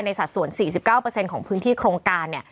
ในสัดส่วน๔๙ของพื้นที่โครงการ